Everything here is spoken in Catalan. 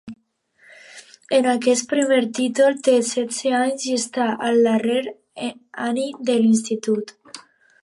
En aquest primer títol té setze anys i està al darrer any de l'institut.